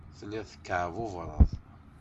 Telliḍ tekkeɛbubreḍ.